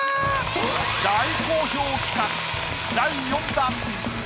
大好評企画第４弾！